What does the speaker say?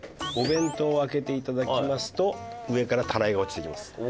お弁当を開けていただきますと上からタライが落ちてきます。